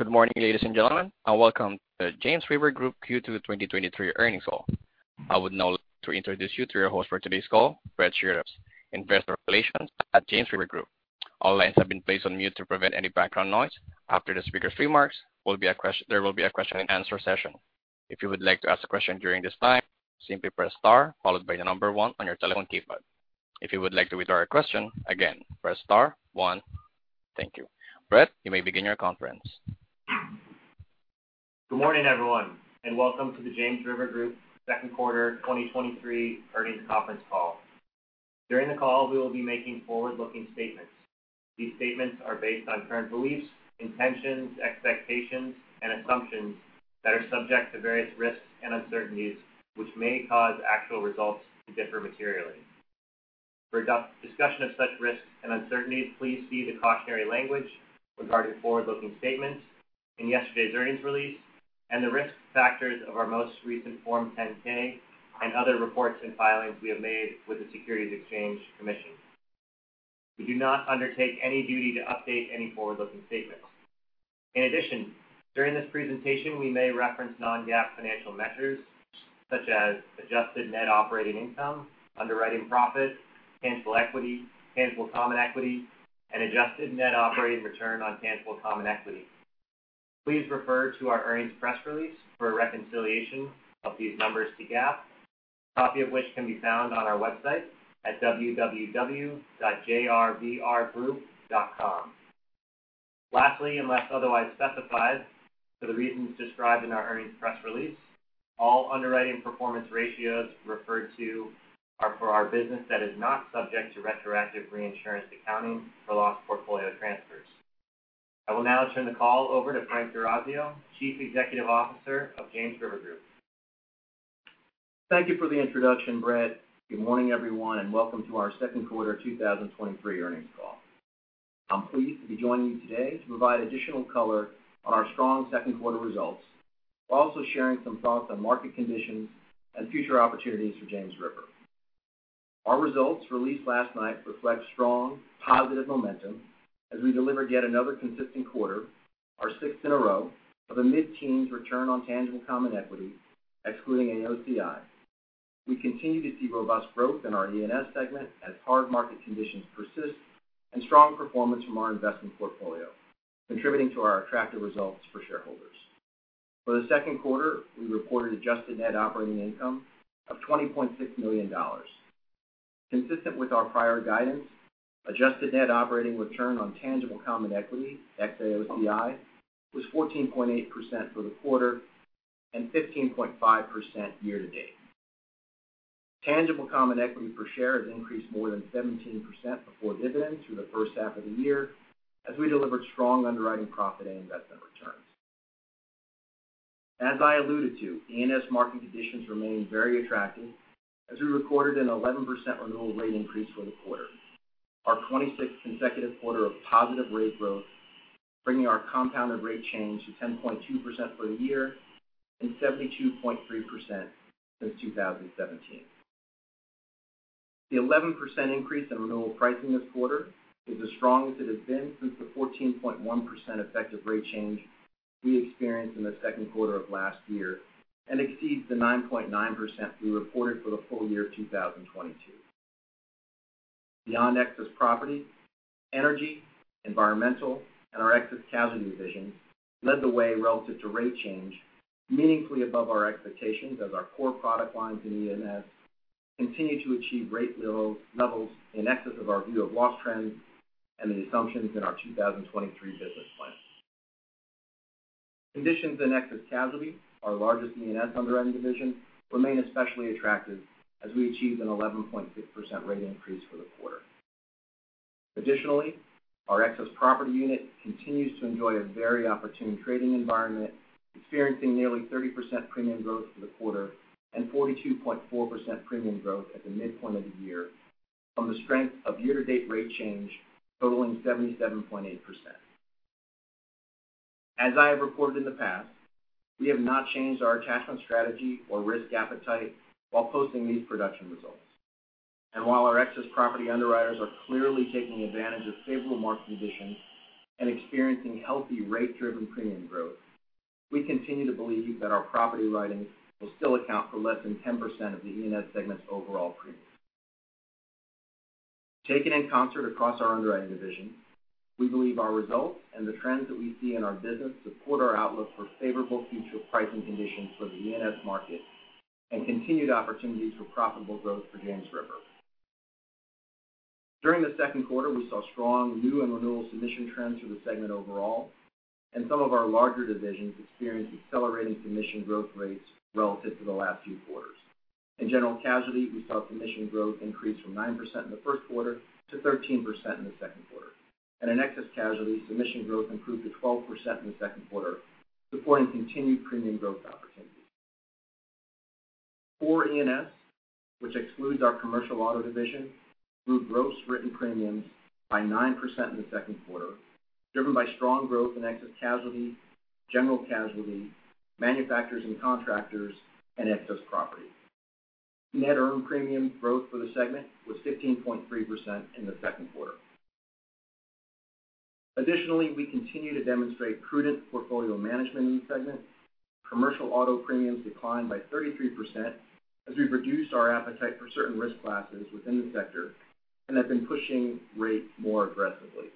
Good morning, ladies and gentlemen, welcome to James River Group Q2 2023 earnings call. I would now like to introduce you to your host for today's call, Brett Shirreffs, Investor Relations at James River Group. All lines have been placed on mute to prevent any background noise. After the speaker's remarks, there will be a question and answer session. If you would like to ask a question during this time, simply press star followed by 1 on your telephone keypad. If you would like to withdraw your question, again, press star 1. Thank you. Brett, you may begin your conference. Good morning, everyone, welcome to the James River Group second quarter 2023 earnings conference call. During the call, we will be making forward-looking statements. These statements are based on current beliefs, intentions, expectations, and assumptions that are subject to various risks and uncertainties, which may cause actual results to differ materially. For discussion of such risks and uncertainties, please see the cautionary language regarding forward-looking statements in yesterday's earnings release and the risk factors of our most recent Form 10-K and other reports and filings we have made with the Securities and Exchange Commission. We do not undertake any duty to update any forward-looking statements. In addition, during this presentation, we may reference non-GAAP financial measures such as adjusted net operating income, underwriting profit, tangible equity, tangible common equity, and adjusted net operating return on tangible common equity. Please refer to our earnings press release for a reconciliation of these numbers to GAAP, copy of which can be found on our website at www.jrvrgroup.com. Lastly, unless otherwise specified, for the reasons described in our earnings press release, all underwriting performance ratios referred to are for our business that is not subject to retroactive reinsurance accounting for loss portfolio transfers. I will now turn the call over to Frank D'Orazio, Chief Executive Officer of James River Group. Thank you for the introduction, Brett. Good morning, everyone, welcome to our second quarter 2023 earnings call. I'm pleased to be joining you today to provide additional color on our strong second quarter results, while also sharing some thoughts on market conditions and future opportunities for James River. Our results released last night reflect strong positive momentum as we delivered yet another consistent quarter, our 6th in a row, of a mid-teens return on tangible common equity excluding AOCI. We continue to see robust growth in our E&S segment as hard market conditions persist and strong performance from our investment portfolio, contributing to our attractive results for shareholders. For the second quarter, we reported adjusted net operating income of $20.6 million. Consistent with our prior guidance, adjusted net operating return on tangible common equity, ex AOCI, was 14.8% for the quarter and 15.5% year to date. Tangible common equity per share has increased more than 17% before dividends through the first half of the year, as we delivered strong underwriting profit and investment returns. As I alluded to, E&S market conditions remain very attractive as we recorded an 11% renewal rate increase for the quarter, our 26th consecutive quarter of positive rate growth, bringing our compounded rate change to 10.2% for the year and 72.3% since 2017. The 11% increase in renewal pricing this quarter is as strong as it has been since the 14.1% effective rate change we experienced in the second quarter of last year and exceeds the 9.9% we reported for the full year 2022. Beyond excess property, energy, environmental, and our excess casualty division led the way relative to rate change, meaningfully above our expectations as our core product lines in E&S continue to achieve rate levels in excess of our view of loss trends and the assumptions in our 2023 business plan. Conditions in excess casualty, our largest E&S underwriting division, remain especially attractive as we achieved an 11.6% rate increase for the quarter. Additionally, our excess property unit continues to enjoy a very opportune trading environment, experiencing nearly 30% premium growth for the quarter and 42.4% premium growth at the midpoint of the year from the strength of year-to-date rate change totaling 77.8%. As I have reported in the past, we have not changed our attachment strategy or risk appetite while posting these production results. While our excess property underwriters are clearly taking advantage of favorable market conditions and experiencing healthy rate-driven premium growth, we continue to believe that our property writing will still account for less than 10% of the E&S segment's overall premium. Taken in concert across our underwriting division, we believe our results and the trends that we see in our business support our outlook for favorable future pricing conditions for the E&S market and continued opportunities for profitable growth for James River. During the second quarter, we saw strong new and renewal submission trends for the segment overall, and some of our larger divisions experienced accelerating submission growth rates relative to the last few quarters. In General Casualty, we saw submission growth increase from 9% in the first quarter to 13% in the second quarter. In Excess Casualty, submission growth improved to 12% in the second quarter, supporting continued premium growth opportunities. Core E&S, which excludes our commercial auto division, grew gross written premiums by 9% in the second quarter, driven by strong growth in excess casualty, general casualty, manufacturers and contractors, and excess property. Net earned premium growth for the segment was 15.3% in the second quarter. Additionally, we continue to demonstrate prudent portfolio management in the segment. Commercial auto premiums declined by 33% as we've reduced our appetite for certain risk classes within the sector and have been pushing rates more aggressively.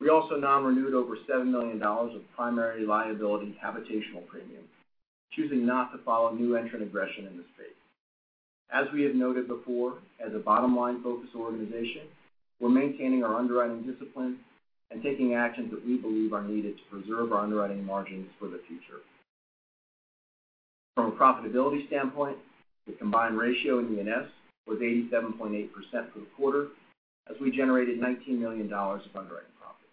We also non-renewed over $7 million of primary liability habitational premiums, choosing not to follow new entrant aggression in the space. As we have noted before, as a bottom line focused organization, we're maintaining our underwriting discipline and taking actions that we believe are needed to preserve our underwriting margins for the future. From a profitability standpoint, the combined ratio in E&S was 87.8% for the quarter, as we generated $19 million of underwriting profit.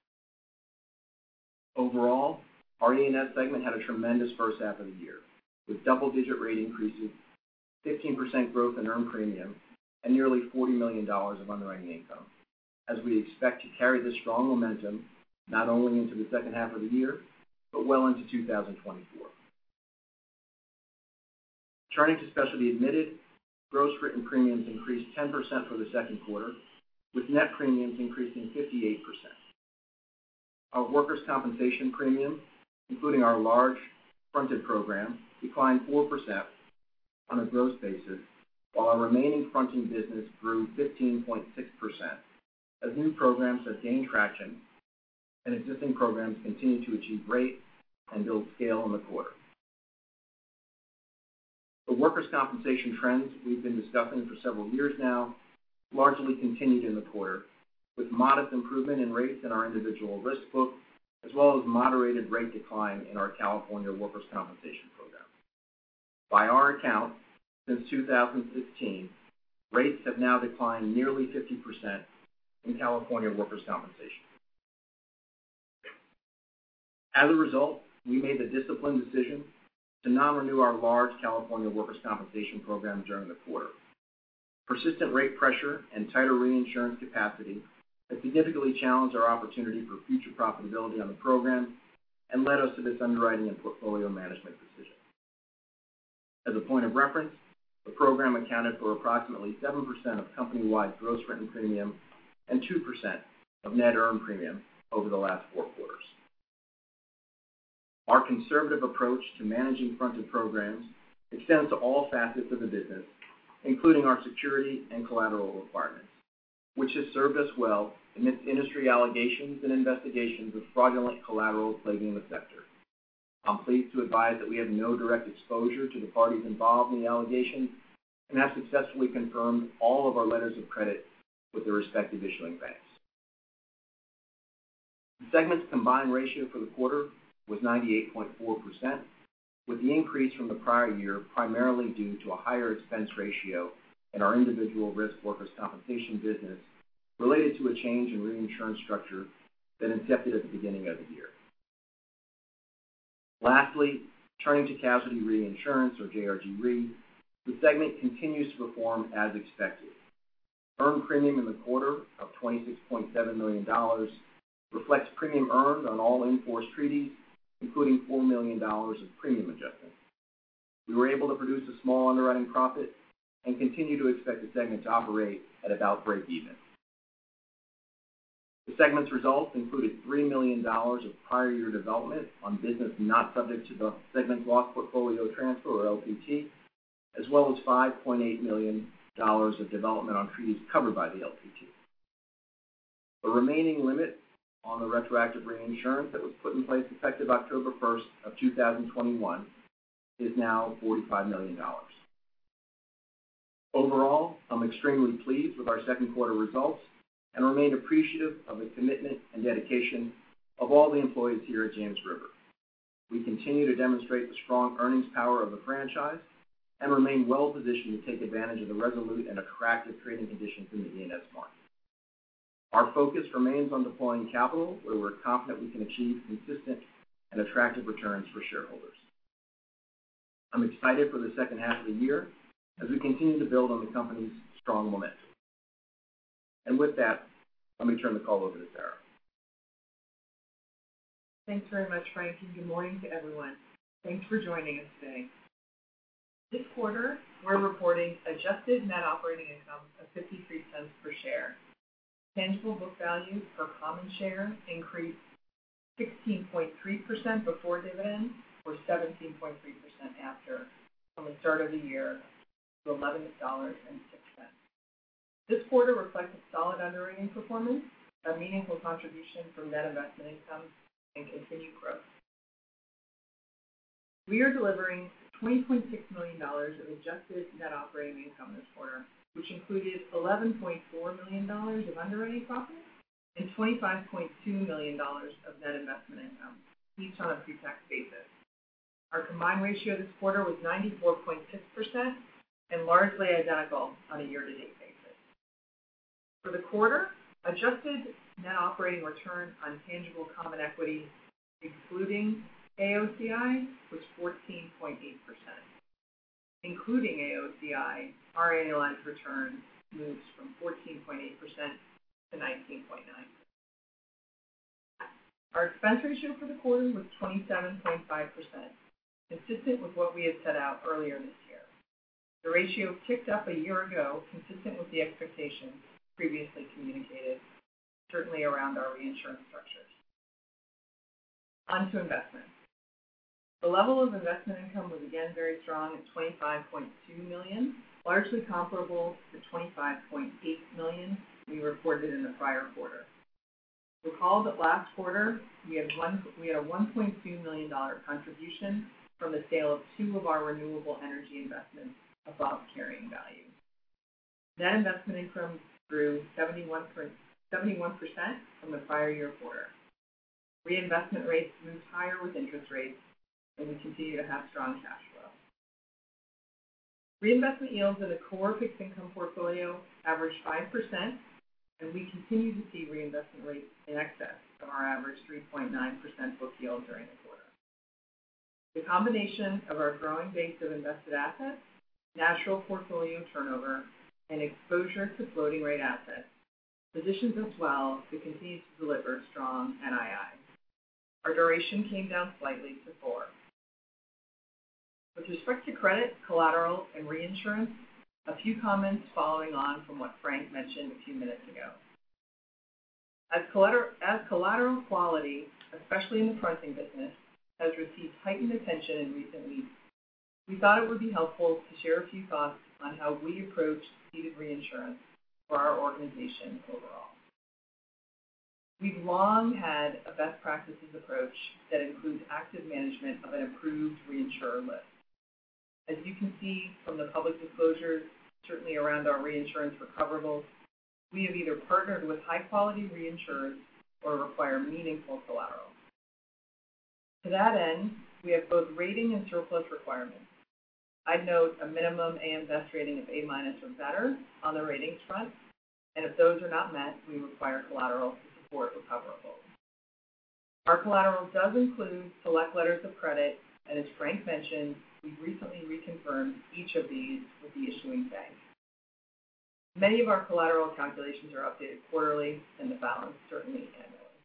Overall, our E&S segment had a tremendous first half of the year, with double-digit rate increases, 15% growth in earned premium, and nearly $40 million of underwriting income. We expect to carry this strong momentum not only into the second half of the year, but well into 2024. Turning to specialty admitted, gross written premiums increased 10% for the second quarter, with net premiums increasing 58%. Our workers' compensation premium, including our large fronted program, declined 4% on a gross basis, while our remaining fronting business grew 15.6%, as new programs have gained traction and existing programs continued to achieve rate and build scale in the quarter. The workers' compensation trends we've been discussing for several years now largely continued in the quarter, with modest improvement in rates in our individual risk book, as well as moderated rate decline in our California workers' compensation program. By our account, since 2016, rates have now declined nearly 50% in California workers' compensation. As a result, we made the disciplined decision to non-renew our large California workers' compensation program during the quarter. Persistent rate pressure and tighter reinsurance capacity has significantly challenged our opportunity for future profitability on the program and led us to this underwriting and portfolio management decision. As a point of reference, the program accounted for approximately 7% of company-wide gross written premium and 2% of net earned premium over the last four quarters. Our conservative approach to managing fronted programs extends to all facets of the business, including our security and collateral requirements, which has served us well amidst industry allegations and investigations of fraudulent collateral plaguing the sector. I'm pleased to advise that we have no direct exposure to the parties involved in the allegations and have successfully confirmed all of our letters of credit with the respective issuing banks. The segment's combined ratio for the quarter was 98.4%, with the increase from the prior year primarily due to a higher expense ratio in our individual risk workers' compensation business related to a change in reinsurance structure that incepted at the beginning of the year. Lastly, turning to casualty reinsurance or JRG Re, the segment continues to perform as expected. Earned premium in the quarter of $26.7 million reflects premium earned on all in-force treaties, including $4 million of premium adjustment. We were able to produce a small underwriting profit and continue to expect the segment to operate at about breakeven. The segment's results included $3 million of prior year development on business not subject to the segment's block portfolio transfer or LPT, as well as $5.8 million of development on treaties covered by the LPT. The remaining limit on the retroactive reinsurance that was put in place effective October 1st of 2021 is now $45 million. Overall, I'm extremely pleased with our second quarter results and remain appreciative of the commitment and dedication of all the employees here at James River. We continue to demonstrate the strong earnings power of the franchise and remain well-positioned to take advantage of the resolute and attractive trading conditions in the E&S market. Our focus remains on deploying capital where we're confident we can achieve consistent and attractive returns for shareholders. I'm excited for the second half of the year as we continue to build on the company's strong momentum. With that, let me turn the call over to Sarah. Thanks very much, Frank. Good morning to everyone. Thanks for joining us today. This quarter, we're reporting adjusted net operating income of $0.53 per share. Tangible book value per common share increased 16.3% before dividend, or 17.3% after, from the start of the year to $11.06. This quarter reflects a solid underwriting performance, a meaningful contribution from net investment income, and continued growth. We are delivering $20.6 million of adjusted net operating income this quarter, which included $11.4 million of underwriting profit and $25.2 million of net investment income, each on a pretax basis. Our combined ratio this quarter was 94.6% and largely identical on a year-to-date basis. For the quarter, adjusted net operating return on tangible common equity, ex AOCI, was 14.8%. Including AOCI, our annualized return moves from 14.8% to 19.9%. Our expense ratio for the quarter was 27.5%, consistent with what we had set out earlier this year. The ratio ticked up a year ago, consistent with the expectations previously communicated, certainly around our reinsurance structures. On to investment. The level of investment income was again very strong at $25.2 million, largely comparable to $25.8 million we reported in the prior quarter. Recall that last quarter, we had a $1.2 million contribution from the sale of two of our renewable energy investments above carrying value. Net investment income grew 71% from the prior year quarter. Reinvestment rates moved higher with interest rates. We continue to have strong cash flow. Reinvestment yields in the core fixed income portfolio averaged 5%. We continue to see reinvestment rates in excess of our average 3.9% book yield during the quarter. The combination of our growing base of invested assets, natural portfolio turnover, exposure to floating rate assets positions us well to continue to deliver strong NII. Our duration came down slightly to four. With respect to credit, collateral, and reinsurance, a few comments following on from what Frank mentioned a few minutes ago. As collateral quality, especially in the fronting business, has received heightened attention in recent weeks, we thought it would be helpful to share a few thoughts on how we approach ceded reinsurance for our organization overall. We've long had a best practices approach that includes active management of an approved reinsurer list. As you can see from the public disclosures, certainly around our reinsurance recoverables, we have either partnered with high-quality reinsurers or require meaningful collateral. To that end, we have both rating and surplus requirements. I'd note a minimum A.M. Best rating of A- or better on the ratings front, and if those are not met, we require collateral to support recoverables. Our collateral does include select letters of credit, and as Frank mentioned, we recently reconfirmed each of these with the issuing bank. Many of our collateral calculations are updated quarterly, and the balance certainly annually.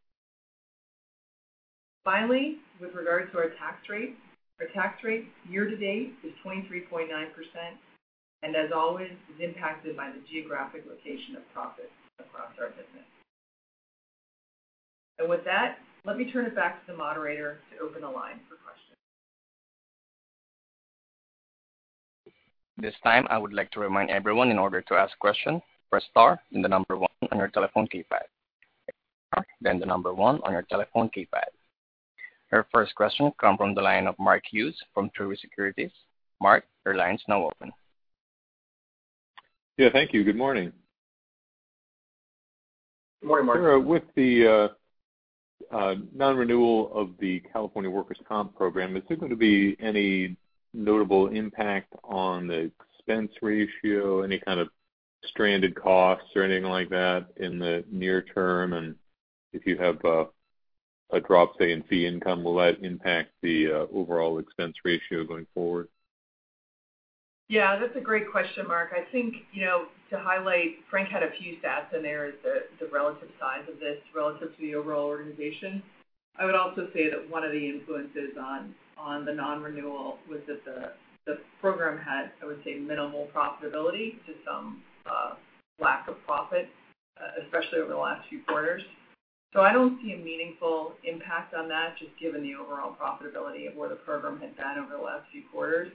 Finally, with regard to our tax rate. Our tax rate year to date is 23.9%, and as always, is impacted by the geographic location of profits across our business. With that, let me turn it back to the moderator to open the line for questions. This time, I would like to remind everyone, in order to ask a question, press star, then the number 1 on your telephone keypad. Press star, then the number 1 on your telephone keypad. Our first question comes from the line of Mark Hughes from Truist Securities. Mark, your line's now open. Thank you. Good morning. Good morning, Mark. Sarah, with the non-renewal of the California workers' comp program, is there going to be any notable impact on the expense ratio, any kind of stranded costs or anything like that in the near term? If you have a drop, say, in fee income, will that impact the overall expense ratio going forward? That's a great question, Mark. I think to highlight, Frank had a few stats in there as the relative size of this relative to the overall organization. I would also say that one of the influences on the non-renewal was that the program had, I would say, minimal profitability to some lack of profit, especially over the last few quarters. I don't see a meaningful impact on that, just given the overall profitability of where the program had been over the last few quarters.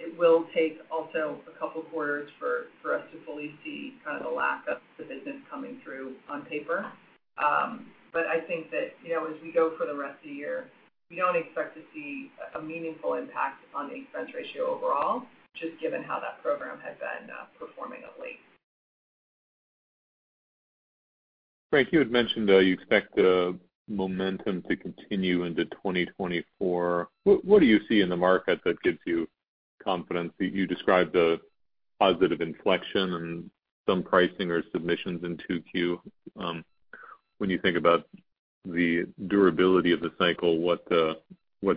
It will take also a couple of quarters for us to fully see kind of the lack of the business coming through on paper. I think that as we go for the rest of the year, we don't expect to see a meaningful impact on the expense ratio overall, just given how that program had been performing of late. Frank, you had mentioned that you expect the momentum to continue into 2024. What do you see in the market that gives you confidence? You described a positive inflection in some pricing or submissions in Q2. When you think about the durability of the cycle, what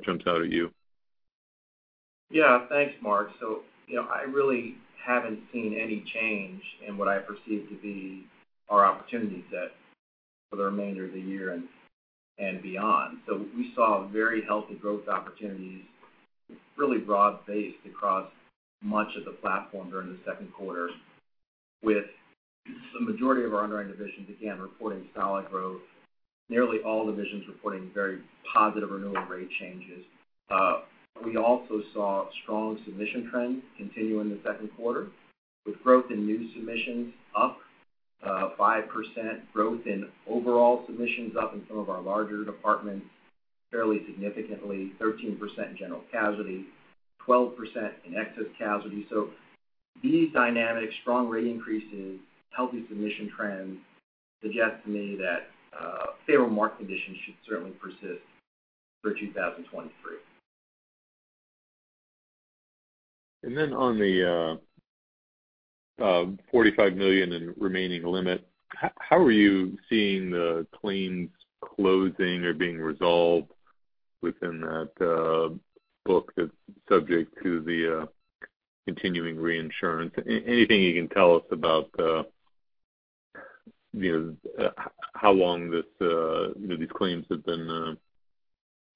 jumps out at you? Thanks, Mark. I really haven't seen any change in what I perceive to be our opportunity set for the remainder of the year and beyond. We saw very healthy growth opportunities, really broad-based across much of the platform during the second quarter, with the majority of our underwriting divisions again reporting solid growth. Nearly all divisions reporting very positive renewal rate changes. We also saw strong submission trends continue in the second quarter, with growth in new submissions up 5%, growth in overall submissions up in some of our larger departments fairly significantly, 13% in general casualty, 12% in excess casualty. These dynamics, strong rate increases, healthy submission trends, suggest to me that favorable market conditions should certainly persist for 2023. On the $45 million in remaining limit, how are you seeing the claims closing or being resolved within that book that's subject to the retroactive reinsurance? Anything you can tell us about how long these claims have been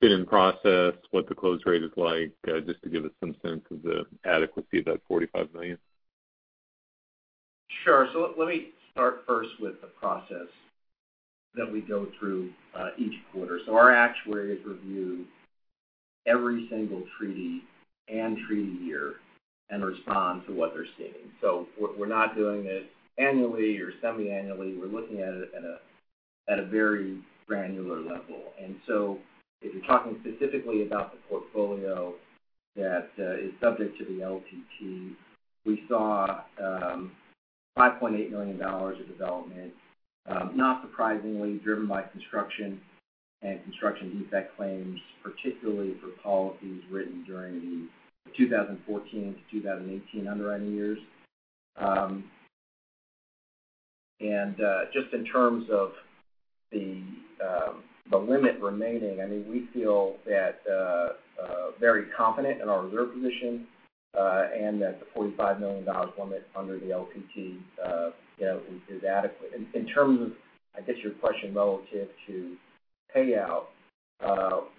in process, what the close rate is like, just to give us some sense of the adequacy of that $45 million? Sure. Let me start first with the process that we go through each quarter. Our actuaries review every single treaty and treaty year and respond to what they're seeing. We're not doing it annually or semi-annually. We're looking at it at a very granular level. If you're talking specifically about the portfolio that is subject to the LPT, we saw $5.8 million of development, not surprisingly, driven by construction and construction defect claims, particularly for policies written during the 2014 to 2018 underwriting years. Just in terms of the limit remaining, we feel very confident in our reserve position, and that the $45 million limit under the LPT is adequate. In terms of, I guess, your question relative to payout,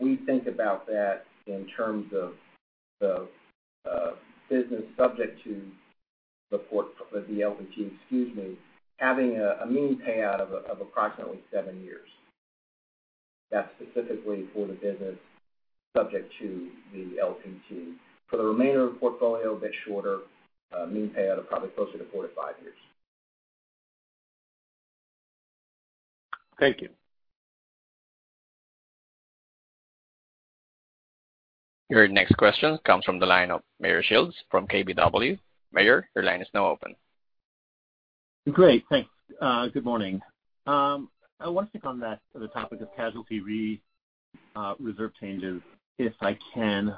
we think about that in terms of the business subject to the LPT, excuse me, having a mean payout of approximately seven years. That's specifically for the business subject to the LPT. For the remainder of the portfolio, a bit shorter, mean payout of probably closer to four to five years. Thank you. Your next question comes from the line of Meyer Shields from KBW. Mayer, your line is now open. Great, thanks. Good morning. I want to stick on the topic of casualty reserve changes, if I can.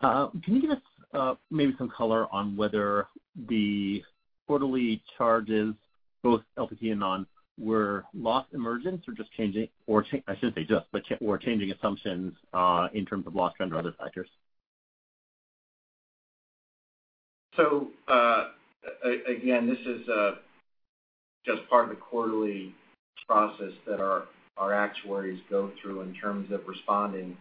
Can you give us maybe some color on whether the quarterly charges, both LPT and non, were loss emergence or just changing, I shouldn't say just, but were changing assumptions in terms of loss trend or other factors? Again, this is just part of the quarterly process that our actuaries go through in terms of responding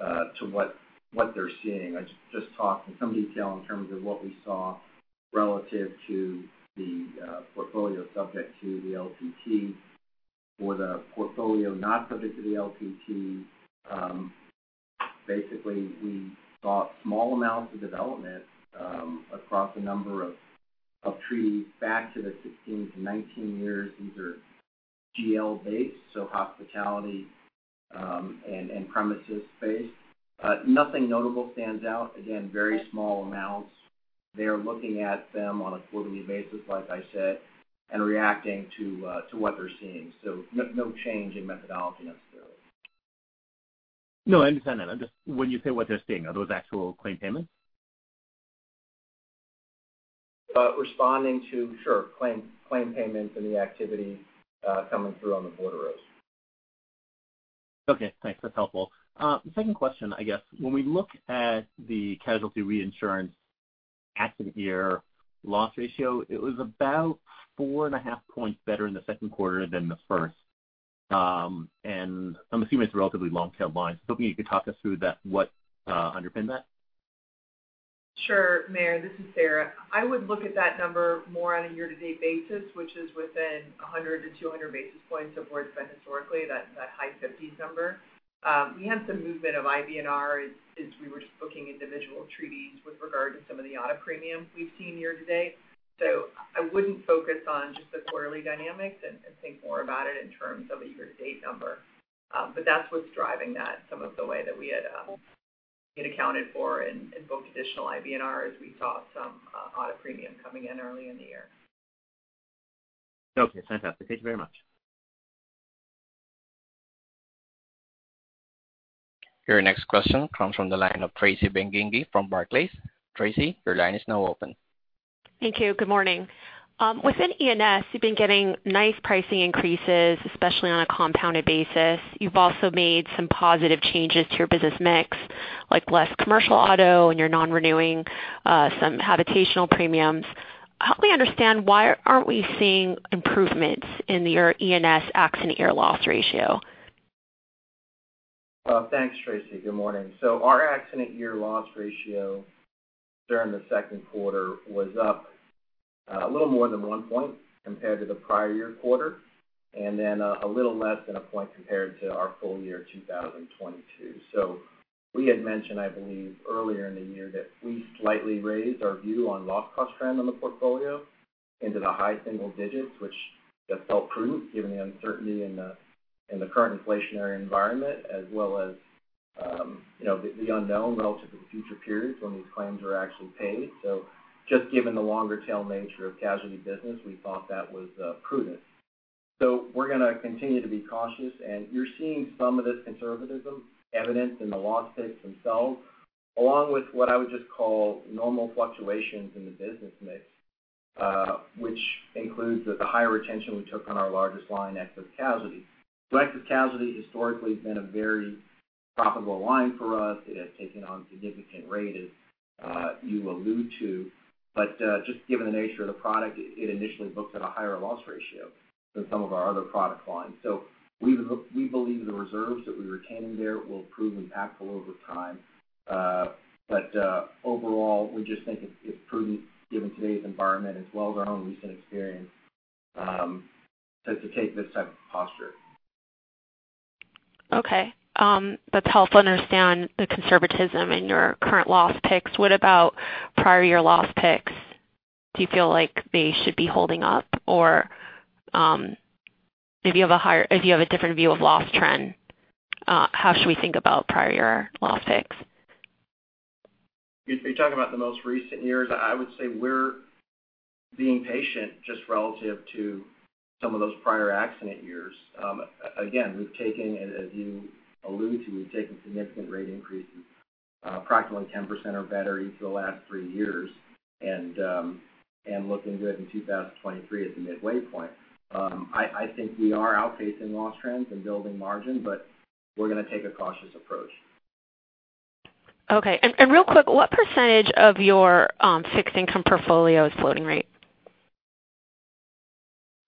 to what they're seeing. I just talked in some detail in terms of what we saw relative to the portfolio subject to the LPT. For the portfolio not subject to the LPT, basically, we saw small amounts of development across a number of treaties back to the 2016 to 2019 years. These are GL based, so hospitality and premises based. Nothing notable stands out. Again, very small amounts. They are looking at them on a quarterly basis, like I said, and reacting to what they're seeing. No change in methodology necessarily. No, I understand that. When you say what they're seeing, are those actual claim payments? Responding to, sure, claim payments and the activity coming through on the bordereaux. Okay, thanks. That's helpful. Second question, I guess. When we look at the casualty reinsurance accident year loss ratio, it was about four and a half points better in the second quarter than the first. I'm assuming it's a relatively long-tail line. Hoping you could talk us through what underpinned that. Sure. Meyer, this is Sarah. I would look at that number more on a year-to-date basis, which is within 100 to 200 basis points of where it's been historically, that high 50s number. We had some movement of IBNR as we were just booking individual treaties with regard to some of the auto premium we've seen year-to-date. I wouldn't focus on just the quarterly dynamics and think more about it in terms of a year-to-date number. That's what's driving that, some of the way that we had it accounted for in booked additional IBNR as we saw some auto premium coming in early in the year. Okay, fantastic. Thank you very much. Your next question comes from the line of Tracy Benguigui from Barclays. Tracy, your line is now open. Thank you. Good morning. Within E&S, you've been getting nice pricing increases, especially on a compounded basis. You've also made some positive changes to your business mix, like less commercial auto and you're non-renewing some habitational premiums. Help me understand why aren't we seeing improvements in your E&S accident year loss ratio? Thanks, Tracy. Good morning. Our accident year loss ratio during the second quarter was up a little more than one point compared to the prior-year quarter, a little less than a point compared to our full-year 2022. We had mentioned, I believe, earlier in the year that we slightly raised our view on loss cost trend on the portfolio into the high single digits, which just felt prudent given the uncertainty in the current inflationary environment as well as the unknown relative to future periods when these claims are actually paid. Just given the longer tail nature of casualty business, we thought that was prudent. We're going to continue to be cautious, and you're seeing some of this conservatism evidenced in the loss picks themselves, along with what I would just call normal fluctuations in the business mix which includes the higher retention we took on our largest line, excess casualty. Excess casualty historically has been a very profitable line for us. It has taken on significant rate, as you allude to. Just given the nature of the product, it initially books at a higher loss ratio than some of our other product lines. We believe the reserves that we're retaining there will prove impactful over time. Overall, we just think it's prudent given today's environment as well as our own recent experience, to take this type of posture. Okay. That's helpful to understand the conservatism in your current loss picks. What about prior year loss picks? Do you feel like they should be holding up? If you have a different view of loss trend, how should we think about prior year loss picks? You're talking about the most recent years? I would say we're being patient just relative to some of those prior accident years. Again, as you allude to, we've taken significant rate increases, approximately 10% or better, each of the last three years, and looking good in 2023 at the midway point. I think we are outpacing loss trends and building margin, we're going to take a cautious approach. Okay. Real quick, what % of your fixed income portfolio is floating rate?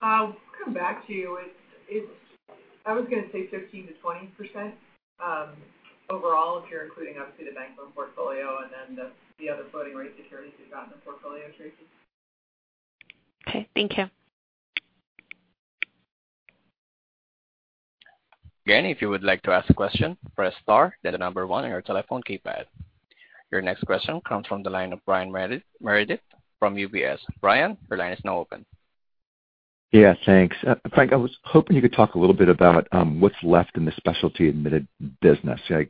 I'll come back to you. I was going to say 15%-20% overall, if you're including up to the bank loan portfolio and then the other floating rate securities we've got in the portfolio, Tracy. Okay. Thank you. Again, if you would like to ask a question, press star, then the number one on your telephone keypad. Your next question comes from the line of Brian Meredith from UBS. Brian, your line is now open. Thanks. Frank, I was hoping you could talk a little bit about what's left in the Specialty Admitted business. I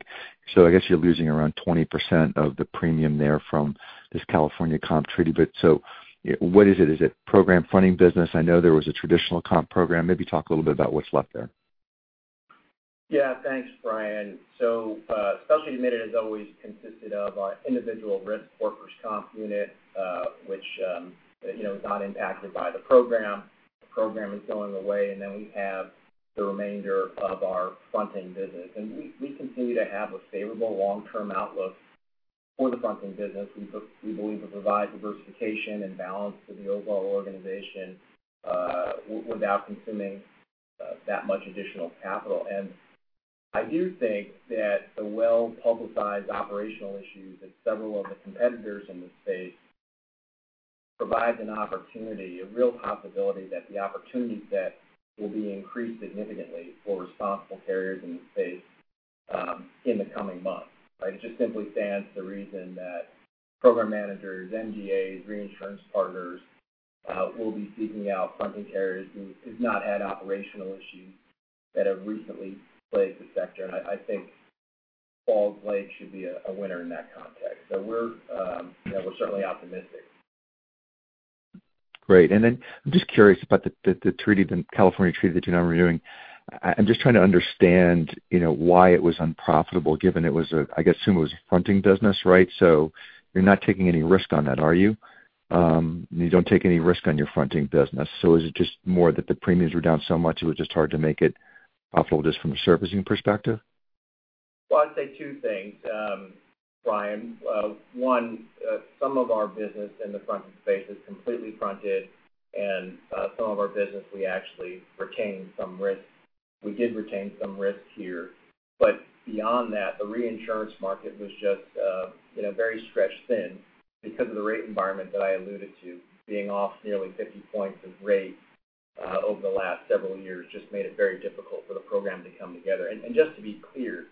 guess you're losing around 20% of the premium there from this California comp treaty. What is it? Is it program fronting business? I know there was a traditional comp program. Maybe talk a little bit about what's left there. Thanks, Brian. Specialty Admitted has always consisted of our individual risk workers' comp unit, which is not impacted by the program. The program is going away. We have the remainder of our fronting business. We continue to have a favorable long-term outlook for the fronting business. We believe it provides diversification and balance to the overall organization without consuming that much additional capital. I do think that the well-publicized operational issues at several of the competitors in the space provides an opportunity, a real possibility that the opportunity set will be increased significantly for responsible carriers in the space in the coming months. It just simply stands to reason that program managers, MGAs, reinsurance partners will be seeking out fronting carriers who have not had operational issues that have recently plagued the sector. I think Falls Lake should be a winner in that context. We're certainly optimistic. Great. Then I'm just curious about the California treaty that you're non-renewing. I'm just trying to understand why it was unprofitable given it was, I assume it was a fronting business, right? You're not taking any risk on that, are you? You don't take any risk on your fronting business. Is it just more that the premiums were down so much, it was just hard to make it profitable just from a servicing perspective? Well, I'd say two things, Brian. One, some of our business in the fronting space is completely fronted and some of our business, we actually retain some risk. We did retain some risk here. Beyond that, the reinsurance market was just very stretched thin because of the rate environment that I alluded to. Being off nearly 50 points of rate over the last several years just made it very difficult for the program to come together. Just to be clear,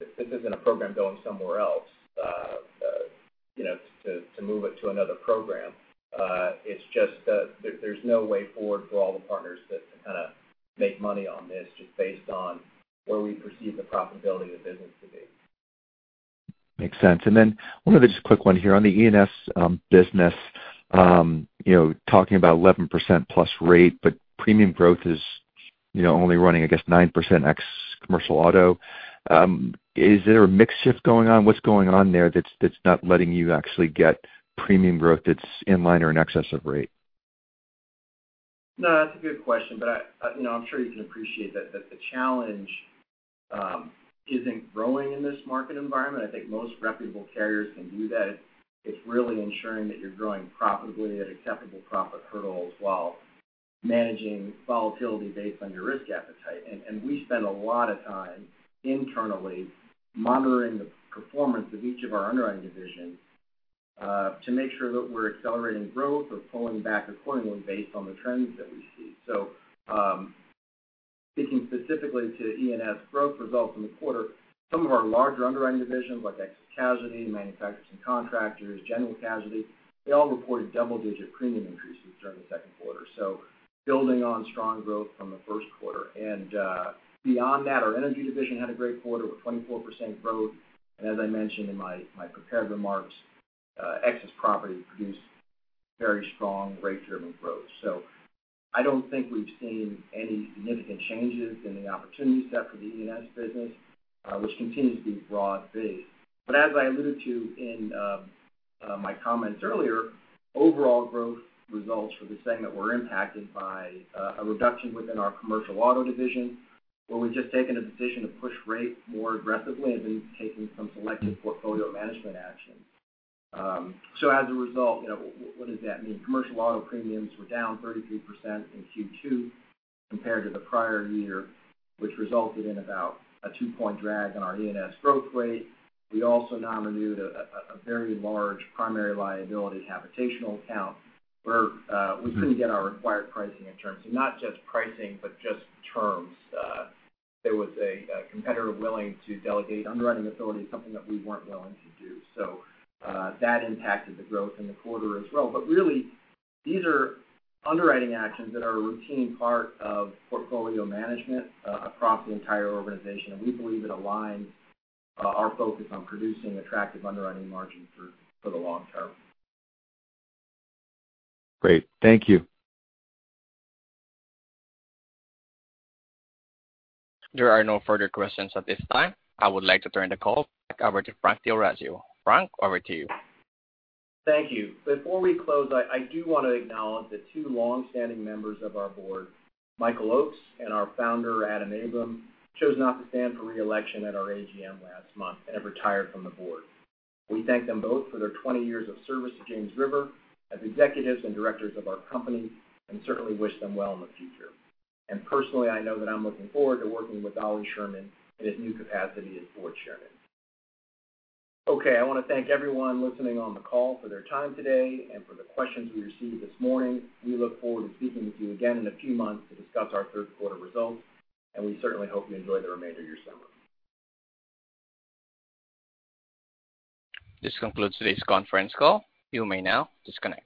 this isn't a program going somewhere else, to move it to another program. It's just that there's no way forward for all the partners that can make money on this just based on where we perceive the profitability of the business to be. Makes sense. Then one other just quick one here. On the E&S business, talking about 11% plus rate, premium growth is only running, I guess, 9% ex commercial auto. Is there a mix shift going on? What's going on there that's not letting you actually get premium growth that's in line or in excess of rate? No, that's a good question. I'm sure you can appreciate that the challenge isn't growing in this market environment. I think most reputable carriers can do that. It's really ensuring that you're growing profitably at acceptable profit hurdles while managing volatility based on your risk appetite. We spend a lot of time internally monitoring the performance of each of our underwriting divisions to make sure that we're accelerating growth or pulling back accordingly based on the trends that we see. Speaking specifically to E&S growth results in the quarter, some of our larger underwriting divisions, like excess casualty, manufacturers and contractors, general casualty, they all reported double-digit premium increases during the second quarter. Building on strong growth from the first quarter. Beyond that, our energy division had a great quarter with 24% growth. As I mentioned in my prepared remarks, excess property produced very strong rate-driven growth. I don't think we've seen any significant changes in the opportunity set for the E&S business, which continues to be broad-based. As I alluded to in my comments earlier, overall growth results for the segment were impacted by a reduction within our commercial auto division, where we've just taken a decision to push rate more aggressively and been taking some selected portfolio management actions. As a result, what does that mean? Commercial auto premiums were down 33% in Q2 compared to the prior year, which resulted in about a two-point drag on our E&S growth rate. We also non-renewed a very large primary liability habitational account where we couldn't get our required pricing and terms. Not just pricing, but just terms. There was a competitor willing to delegate underwriting authority, something that we weren't willing to do. That impacted the growth in the quarter as well. Really, these are underwriting actions that are a routine part of portfolio management across the entire organization, and we believe it aligns our focus on producing attractive underwriting margin for the long term. Great. Thank you. There are no further questions at this time. I would like to turn the call back over to Frank D'Orazio. Frank, over to you. Thank you. Before we close, I do want to acknowledge that two longstanding members of our board, Michael Oakes and our founder, Adam Abram, chose not to stand for re-election at our AGM last month and have retired from the board. We thank them both for their 20 years of service to James River as executives and directors of our company, certainly wish them well in the future. Personally, I know that I'm looking forward to working with Ollie Sherman in his new capacity as board chairman. I want to thank everyone listening on the call for their time today and for the questions we received this morning. We look forward to speaking with you again in a few months to discuss our third quarter results, we certainly hope you enjoy the remainder of your summer. This concludes today's conference call. You may now disconnect.